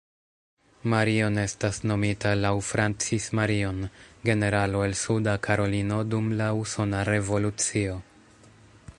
Marion estas nomita laŭ Francis Marion, generalo el Suda Karolino dum la Usona Revolucio.